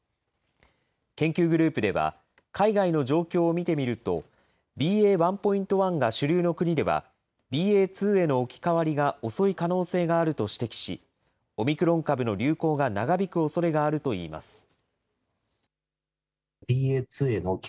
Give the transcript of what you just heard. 研究グループでは、海外の状況を見てみると、ＢＡ．１．１が主流の国では、ＢＡ．２への置き換わりが遅い可能性があると指摘し、オミクロン株の流行が長引くおそれがあるといいます。